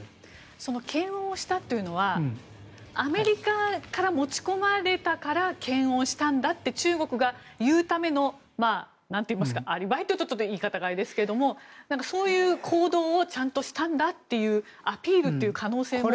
その検温したというのはアメリカから持ち込まれたから検温したんだって中国が言うためのアリバイというと言い方があれですがそういう行動をちゃんとしたんだというアピールという可能性もありますか？